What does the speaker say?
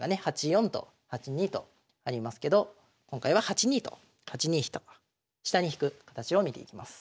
８四と８二とありますけど今回は８二と８二飛と下に引く形を見ていきます。